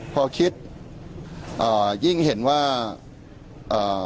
พอคิดอ่ายิ่งเห็นว่าเอ่อ